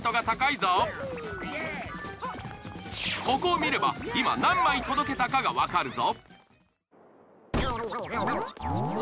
ここを見れば今何枚届けたかがわかるぞ。